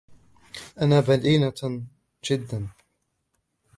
أنا بدينة جداً.